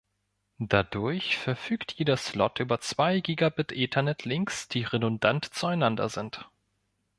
Dadurch verfügt jeder Slot über zwei Gigabit Ethernet Links, die redundant zueinander sind.